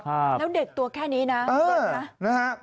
แล้วเด็กตัวแค่นี้นะ